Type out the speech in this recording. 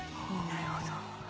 なるほど。